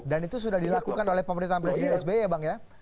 dan itu sudah dilakukan oleh pemerintah ambrasi dan sbi ya bang